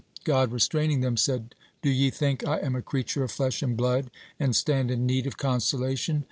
God restraining them said: "Do ye think I am a creature of flesh and blood, and stand in need of consolation?